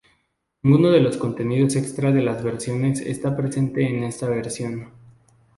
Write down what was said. Ninguno de los contenidos extra de las otras versiones está presente en esta versión.